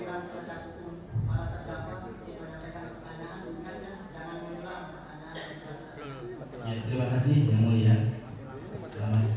saya kemana mana boleh tanya jatil pak